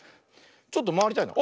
ちょっとまわりたいな。